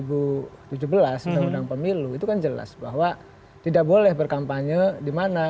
dua ribu tujuh belas undang undang pemilu itu kan jelas bahwa tidak boleh berkampanye di mana